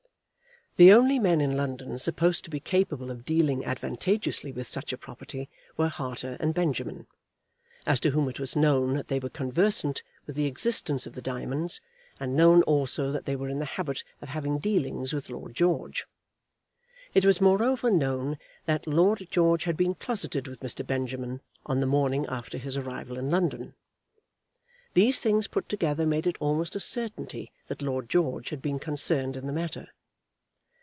The only men in London supposed to be capable of dealing advantageously with such a property were Harter and Benjamin, as to whom it was known that they were conversant with the existence of the diamonds, and known, also, that they were in the habit of having dealings with Lord George. It was, moreover, known that Lord George had been closeted with Mr. Benjamin on the morning after his arrival in London. These things put together made it almost a certainty that Lord George had been concerned in the matter.